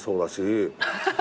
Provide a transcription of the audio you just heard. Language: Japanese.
ハハハハ。